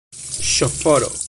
Ŝoforo!